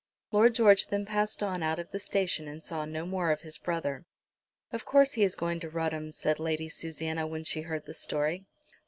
Lord George then passed on out of the station, and saw no more of his brother. "Of course he is going to Rudham," said Lady Susanna, when she heard the story.